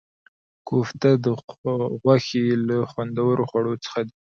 کوفته د غوښې له خوندورو خواړو څخه دی.